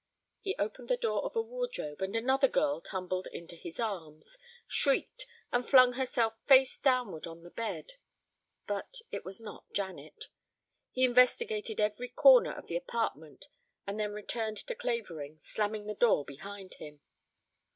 He opened the door of a wardrobe and another girl tumbled into his arms, shrieked, and flung herself face downward on the bed. But it was not Janet. He investigated every corner of the apartment and then returned to Clavering, slamming the door behind him.